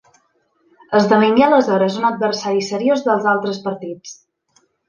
Esdevingué aleshores un adversari seriós dels altres partits.